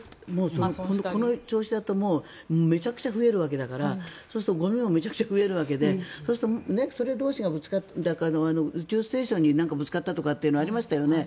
だってこの調子だとめちゃくちゃ増えるわけだからそうするとゴミもめちゃくちゃ増えるわけでそれ同士がぶつかって宇宙ステーションに何かぶつかったとかってありましたよね。